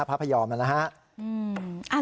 พระพยอมน่ะนะฮะ